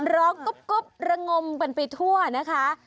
กุ๊บระงมกันไปทั่วนะคะ